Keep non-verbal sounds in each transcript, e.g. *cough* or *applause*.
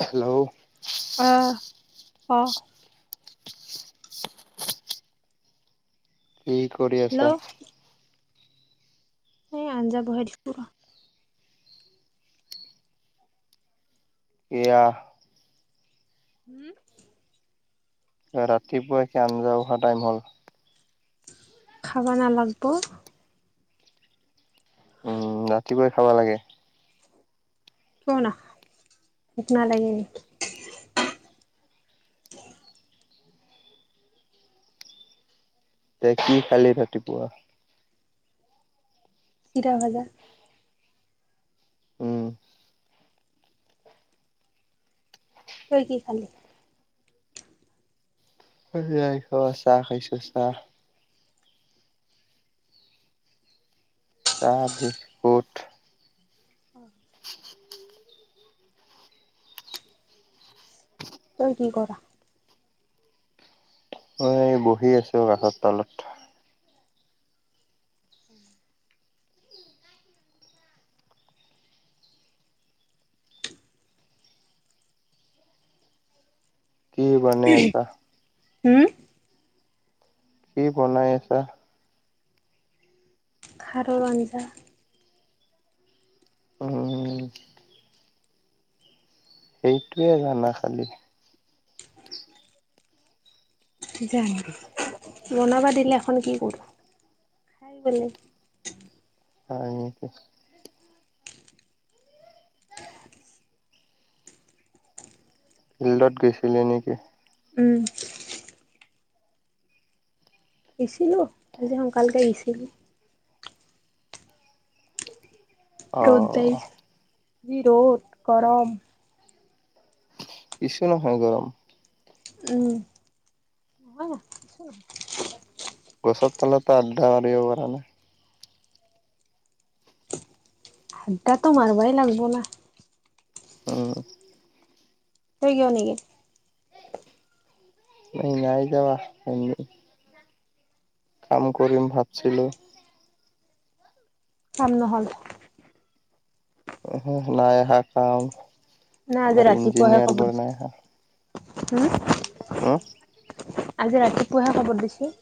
Hello. অহ ক'। কি কৰি হেল্ল' আছা? এই আঞ্জা বহাই দিছোঁ। এয়া উম। ৰাতিপুৱাই কি আঞ্জা অহা টাইম হ'ল? খাব নালাগিব? উম ৰাতিপুৱাই খাব লাগে। ক না ভুক নালাগে নেকি? এতিয়া কি খালি ৰাতিপুৱা? চিৰা ভাজা। উম তই কি খালি? নাই খোৱা চাহ খাইছোঁ চাহ। চাহ বিস্কুট। তই কি কৰা? মই বহি আছোঁ গাছৰ তালত। কি বনাই আছা? হম? কি বনাই আছা? ভাত আৰু আঞ্জা। উম। সেইটোৱেই জানা খালী। যানো, বনাবা দিলে এখন কি কৰো, খাই বোলে। হয় নেকি? ফিল্ডত গৈছিলি নেকি? উম। ইছিলোঁ আজি সোনকালকে আহিছিলোঁ। ৰ'দ দই, অ' যি ৰ'দ গৰম। কিছু নহয় গৰম। উম। গছত তালত আড্ডা মাৰিব পৰা নাই? আড্ডাতো মাৰিবাই লাগবই না। উম। তই কিয় নেগিল? নাই যাৱা এনেই। কাম কৰিম ভাবিছিলোঁ। কাম নহল? উমহো নাই আহা কাম। নাই আজি ৰাতিপুৱাহে আহা কব হম উম। আজি ৰাতিপুৱাহে খবৰ দিছো।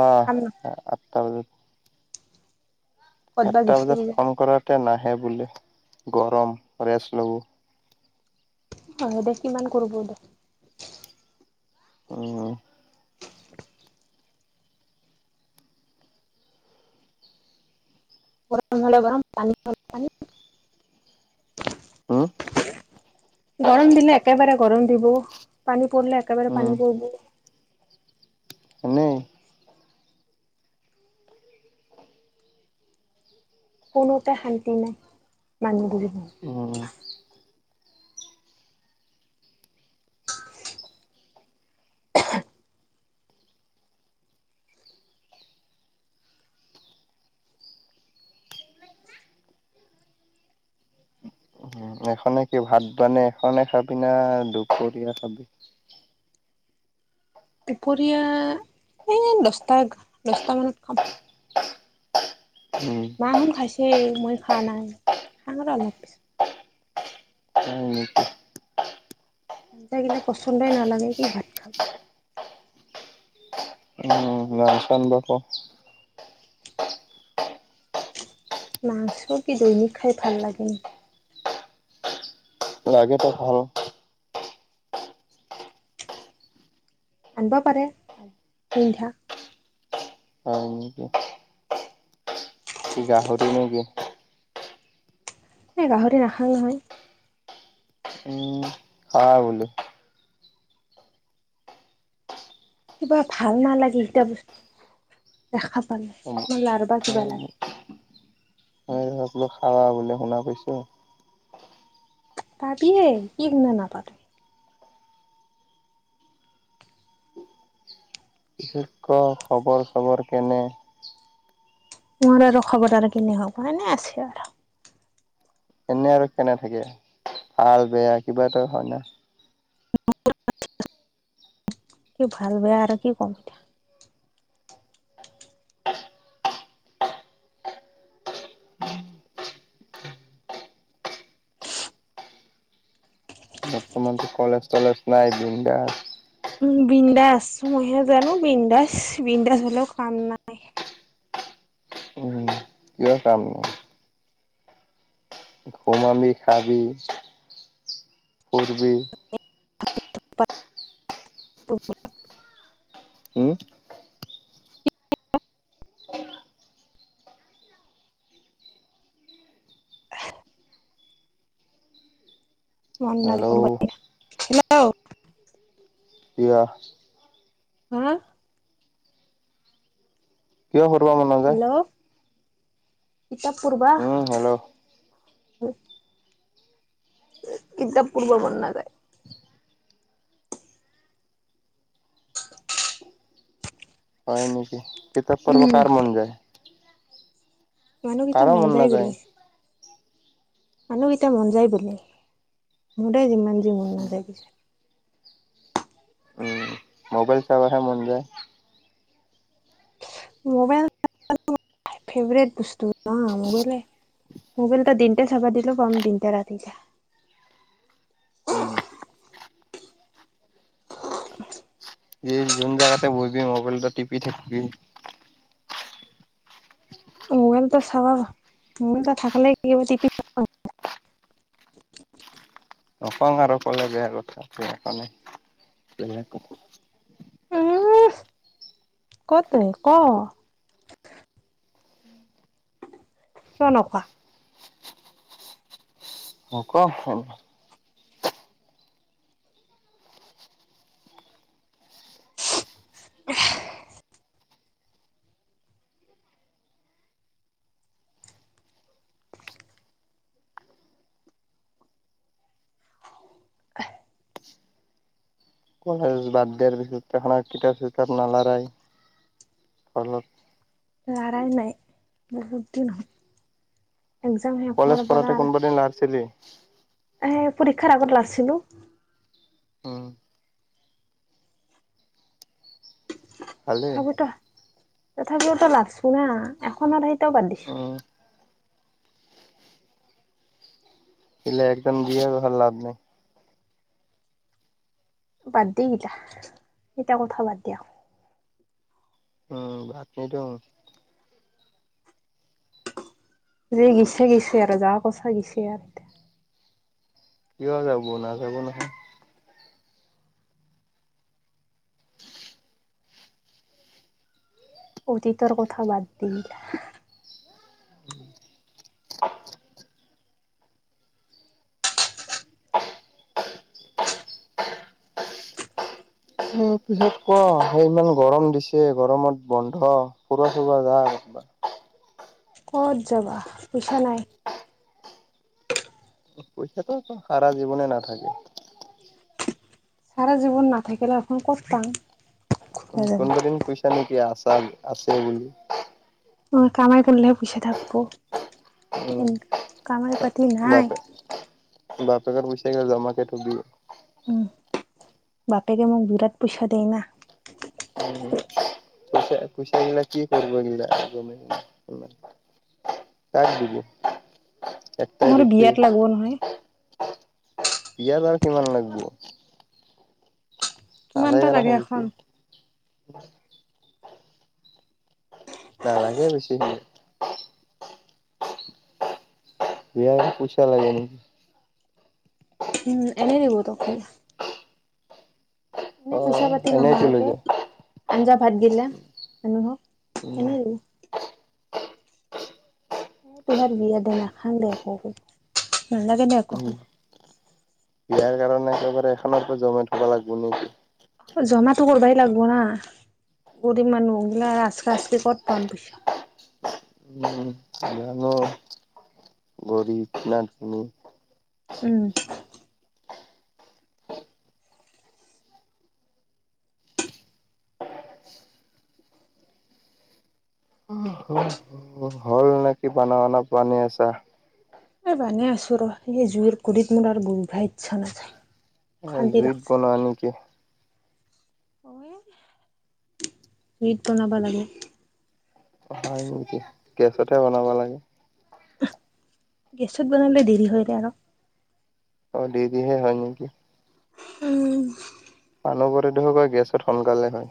আহ কাম ন আঠটা বজাত। ক'ত বা আঠটা গিছে বজাতে কিজানি ফোন কৰাতে নাহে বোলে গৰম ৰেষ্ট ল'ব। হয় দে কিমান কৰিব দে? উম। গৰম হলে গৰম পানী হ'লে পানী। হ'ম গৰম দিলে একেবাৰে গৰম দিব পানী পৰিলে একেবাৰে উম পানী পৰিব। এনেই। কোনোতে শান্তি নাই মানুহ বুলি। উম উম' এখনে কি ভাত মানে এখনে খাবি না? দুপৰীয়া খাবি? দুপৰীয়া, এই দছটা দছটা মানত খাম। উম' মাহত খাইছে, মই খোৱা নাই, খাম আৰু অলপ পিছত। উম' আঞ্জা গিলা পচন্দই নালাগে কি হয়? উম' বাচন বৰ্তন মাংস কি দৈনিক খাই ভাল লাগে নেকি? লাগেতো ভাল। আনবা পাৰে আৰু সন্ধ্যা। হয় নেকি? গাহৰি নেকি? এই গাহৰি নাখাওঁ নহয়। উম' খা বোলোঁ। কিবা ভাল নালাগে, ইটা বস্তু দেখা পালে মোৰ লাৰবা কিবা লাগে। *unintelligible* উম' একলগ খাৱা বুলি শুনা পাইছোঁ। পাবিয়ে, কি শুনা নাপাবি। বিশেষ ক খবৰ চবৰ কেনে? মোৰ আৰু খবৰ আৰু কেনে হ'ব এনে আছে আৰু। এনে আৰু কেনে থাকে ভাল বেয়া কিবা এটা হয় না। কি ভাল বেয়া আৰু কি ক'ম এতিয়া। তোমাৰতো কলেজ তলেজ নাই বিন্দাছ। উম' বিন্দাছ, মইহে জানোঁ বিন্দাছ, বিন্দাছ হ'লেও কাম নাই। উম কিয় কাম নহয়। ঘোমাবি, খাবি, ফুৰবি। *unintelligible* উম' আহ মন নাই হেল্ল' কৰবা এতিয়া, হেল্লো কিয়? *unintelligible* কিয় পৰিব মনত? হেল্ল' কিতাপ পঢ়িবা। উম হেল্ল' কিতাপ পঢ়িব মন নাযায়। হয় নেকি? কিতাপ উম পঢ়িব কাৰ মন যায়। মানুহ কাৰো কেইটাৰ মন যায় নাযায় বোলে। মানুহকেইটা মন যায় বোলে, মোৰ দে যিমান যি মন নাযায় পিছে। ম'বাইল চাবহে মন যায়। মোবাইল *unintelligible* ফেভৰেট বস্তু অ' মোবাইলে। মোবাইল তা দিনতা চাবা দিলোঁ, কম দিনতা ৰাতিতা যা। উম যি যোন জাগাতে বহিবি মোবাইলতা টিপি থাকিবি। মোবাইল এটা চাবা, মোবাইল এটা থাকে টিপি। নকও আৰু ক'লে বেয়া কথা। সেইকাৰণে বেলেগ কও। উ, কতে ক'। কিয় নকোৱা। *unintelligible* *unintelligible* কলেজ বাদ দিয়াৰ পিছত দেখো কিতাপ চিতাপ নালা়ৰাই ফলত লাৰাই নাই, বহুত দিন হ'ল। এক্সম শেষ হোৱাৰ পৰা আৰু *unintelligible* নাছিলি। এ পৰীক্ষাৰ আগত লাইছিলো। উম। ভালেই তথাপিতো, তথাপিওতো লাগছো না এখনত সেই উম। *unintelligible* একদম দিয়ে ভাল লাভ নাই। বাদ দি *unintelligible* কথা বাদ দিয়া। উম, বাদ নিদিওঁ। যে গিছে গছে আৰু যা কছা গিছে আৰু এয়াত। কিয় যাব, নাযাব নহয়। অতীতৰ কথা বাদ দি *inaudible* *unintelligible* পিছত ক, সেই ইমান গৰম দিছে গৰমত বন্ধ, ফুৰা চুৰা যা আৰু *unintelligible* ক'ত যাবা পইচা নাই। পইচাটো সাৰা জীৱনে নাথাকে। চাৰা জীৱন নাথাকিলে *unintelligible* ক'ত পাম। ক'ত উ, যাবা কোনবা দিন কৈইছা নেকি আছা, আছে বুলি। অ', কামাৰ কাৰলেহে পইচা থাকিব। উম, পাতি নাই বাপে-বাপেৰৰ পইছাগিতা জমাকে থবি। উম, বাপেকে মোক বিৰাট পইচা দিয়ে না। উ, পইচা পইচা গিলা কি কৰব গিলা *unintelligible* কাক দিব, একটাই মোৰ বেছি বিয়াত লাগব নহয় পিয়াৰাৰ কিমান লাগব। কিমান পালেই বা লাগে নহয় ইটো। এখন। নালাগে বেছি মোক। বিয়াৰ পইছা লাগে নি? উম, এনেই দিব তোক সি। এনে অ পইচা পাতি এনেইতো লৈ নহোৱাকে, যা আঞ্জা ভাত গিলা মানুহক উম এনেই দিব। তোহাৰ বিয়া দে নাখাওঁ দে একো হব নালাগে নে একো উম বিয়াৰ কাৰণে একেবাৰে এখনৰ পৰা জমাই থব লাগিব নেকি। জমাটো কৰিবাই লাগব না, গৰীব মানুহগিলা আচকা আচকে ক'ত পাম পইচা। উম জানো গৰীব কিমান খিনি। উম। হয়। আছা নে কি বানা বানা পানী আছা। এই বনাই আছো ৰবা, এই জুইত গৰীব মোৰ আৰু *unintelligible* ইচ্ছা নাযায়। অশান্তি জুইত লাগছে। কলা নে অ', জুইত বনাবা লাগে। হয় নেকি, গেছতহে বনাব লাগে। গেছত বনালে দেৰি হয় যায় আৰু। অঁ' দেৰি হে হয় নেকি? উম' পালোবৰে দেখোবা গেছত সোনকালে হয়।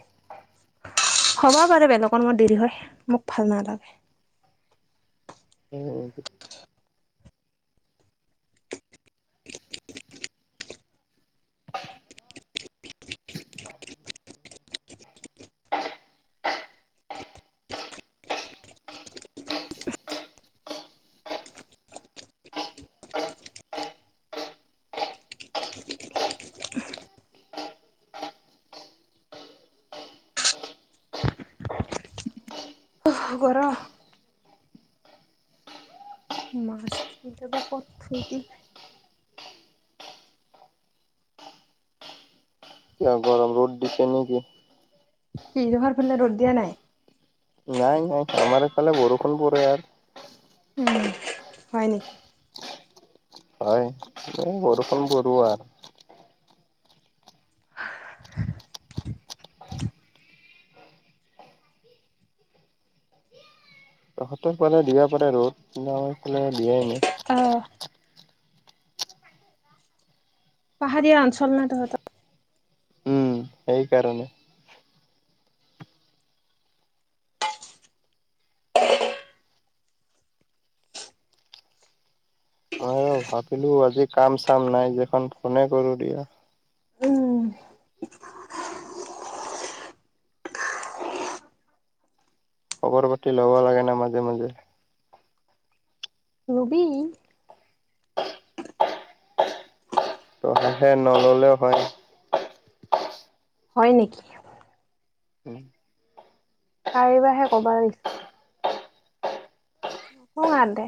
হ'ব পাৰে বেলেগৰ মতে দেৰি হয় মোক ভাল নালাগে। উম উমহু। উফ' গৰম। মাছ কেতিয়াবা ক'ত ধুই দিম। কিয় গৰম ৰ'দ দিছে নেকি? কি ৰহাৰ ফালে ৰ'দ দিয়া নাই। নাই নাই আমাৰ এইফালে বৰষুণ পৰে আৰ। উম হয় নেকি? হয়, এই বৰষুণ বৰুৱা। তহঁতৰ ফালে দিব পাৰে ৰ'দ, কিন্তু আমাৰ ফালে দিয়াই নাই। অঅ' পাহাৰীয়া অঞ্চল না তহঁতৰ? উম সেইকাৰণে। অ' ভাবিলো আজি কাম চাম নাই যেখন ফোনে কৰো দিয়া। উম খবৰ পাতি ল'ব লাগে না মাজে মাজে। লবি। তহঁতে নললেও হয়। হয় নেকি? কাইবাহে কবাই। সোঁহাতে।